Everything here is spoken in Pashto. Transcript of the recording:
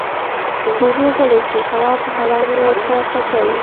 جُوجُو غلی شو، تواب په حيرانۍ ورته کتل…